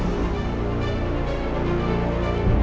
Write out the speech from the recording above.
bruh aku yakin kamu batman